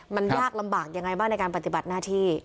มันยากลำบากยังไงบ้างในการปฏิบัติหน้าที่